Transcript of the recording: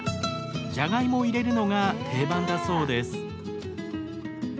ジャガイモを入れるのが定番だそうです。